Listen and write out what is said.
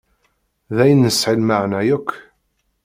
D ayen nesεi lmeεna yakk.